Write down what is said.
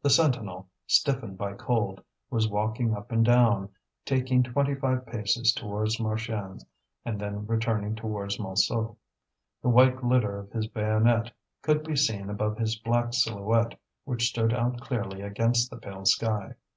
The sentinel, stiffened by cold, was walking up and down, taking twenty five paces towards Marchiennes, and then returning towards Montsou. The white glitter of his bayonet could be seen above his black silhouette, which stood out clearly against the pale sky.